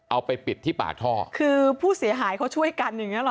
เอาไปปิดที่ปากท่อคือผู้เสียหายเขาช่วยกันอย่างเงี้หรอ